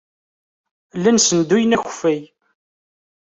Llan ssenduyen akeffay.